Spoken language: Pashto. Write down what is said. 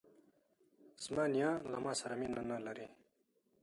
زما نیا له ماسره مینه نه لري.